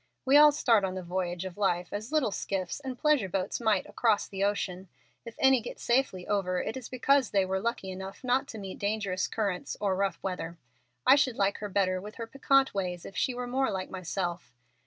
We all start on the voyage of life as little skiffs and pleasure boats might cross the ocean. If any get safely over, it is because they were lucky enough not to meet dangerous currents or rough weather. I should like her better with her piquant ways if she were more like myself.